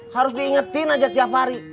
harus diingetin aja tiap hari